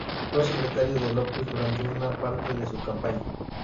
Fue secretario de López durante una parte de su campaña.